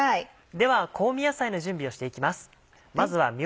では香味野菜の準備をしていきます。